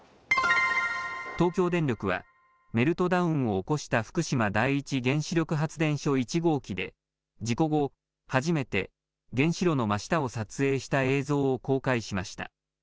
東京電力はメルトダウンを起こした福島第一原子力発電所１号機で、事故後初めて、原子炉の真下を撮影した映像を公開しました。